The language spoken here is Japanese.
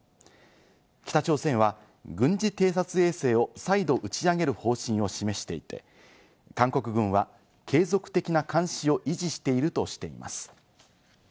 北朝鮮は軍事偵察衛星を再度打ち上げる方針を示していて、韓国軍は継続的な監視を維持しているとしています。